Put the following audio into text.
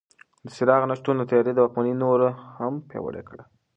د څراغ نه شتون د تیارې واکمني نوره هم پیاوړې کړه.